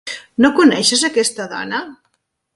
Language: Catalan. No coneixes aquesta dona?